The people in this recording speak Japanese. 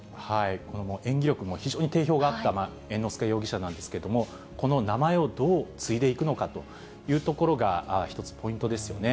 この演技力も非常に定評があった猿之助容疑者なんですけれども、この名前をどう継いでいくのかというところが、１つ、ポイントですよね。